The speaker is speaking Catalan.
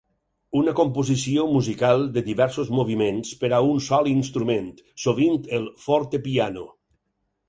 Una composició musical de diversos moviments per a un sol instrument, sovint el forte-piano.